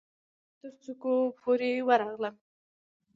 زه د بام ترڅوکو پورې ورغلم